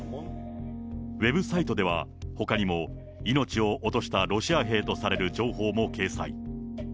ウェブサイトではほかにも、命を落としたロシア兵とされる情報も掲載。